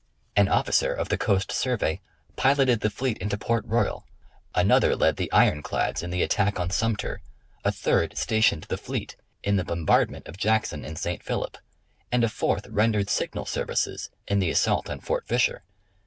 An officer of the Coast 76 National Geographic Magazine. Survey piloted tlie fleet into Port Royal ; another led the Iron Clads in the attack on Sumter ; a third stationed the fleet in the bombardment of Jackson and St. Philip ; and a fourth rendered signal services in the assault on Fort Fisher.